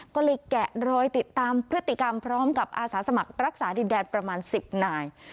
ก็เลยแกะรอยติดตามพฤติกรรมพร้อมกับอาสาสมัครรักษาดินแดนประมาณ๑๐นาย